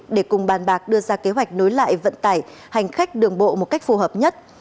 để cùng bàn bạc đưa ra kế hoạch nối lại vận tải hành khách đường bộ một cách phù hợp nhất